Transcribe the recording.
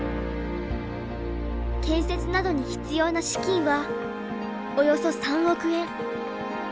建設などに必要な資金はおよそ３億円。